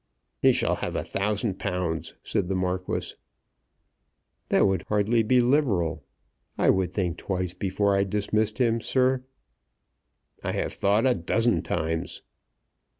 "He shall have a thousand pounds," said the Marquis. "That would hardly be liberal. I would think twice before I dismissed him, sir." "I have thought a dozen times."